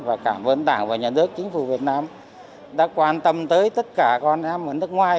và cảm ơn đảng và nhà nước chính phủ việt nam đã quan tâm tới tất cả con em ở nước ngoài